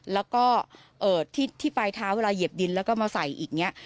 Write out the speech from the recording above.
แล้วก็ที่ปลายเท้าเวลาเหยียบดินแล้วก็มาใส่อีกเนี่ย